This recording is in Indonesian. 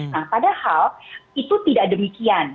nah padahal itu tidak demikian